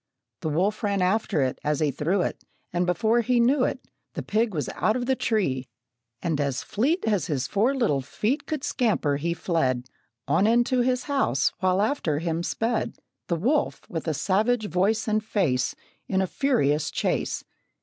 The wolf ran after it as he threw it, And, before he knew it, The pig was out of the tree, and as fleet As his four little feet Could scamper he fled, On, into his house, while after him sped The wolf, with a savage voice and face, In a furious chase.